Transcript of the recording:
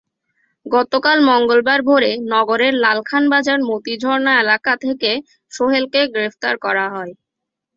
গতকাল মঙ্গলবার ভোরে নগরের লালখান বাজার মতিঝর্ণা এলাকা থেকে সোহেলকে গ্রেপ্তার করা হয়।